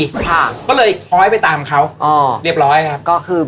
ก็เลยทำงานไปต่ามเขาเรียบร้อยนะครับ